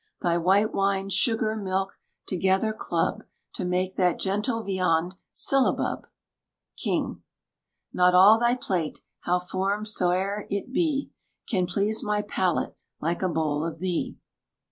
Thy white wine, sugar, milk, together club, To make that gentle viand syllabub! KING. Not all thy plate, how formed soe'er it be, Can please my palate like a bowl of thee.